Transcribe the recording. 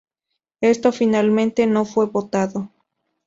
Esto, finalmente, no fue votado.